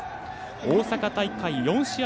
大阪大会４試合